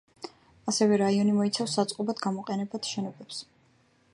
ასევე, რაიონი მოიცავს საწყობად გამოყენებად შენობებს.